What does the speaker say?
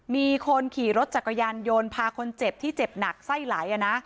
มีคนขี่รถจักรยานยนต์พาคนเจ็บที่เจ็บหนักไส้ไหล